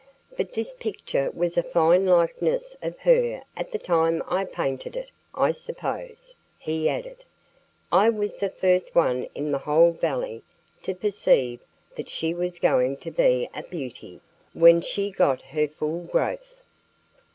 But this picture was a fine likeness of her at the time I painted it.... I suppose," he added, "I was the first one in the whole valley to perceive that she was going to be a beauty when she got her full growth."